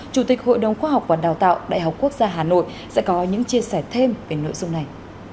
chủ tịch hội đồng khoa học và đào tạo đại học quốc gia hà nội sẽ có những chia sẻ thêm về nội dung này